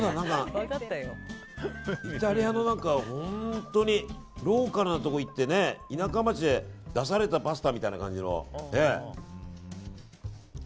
イタリアのローカルなところ行って田舎町で出されたパスタみたいな感じの。